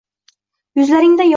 Yuzlaringday yorug’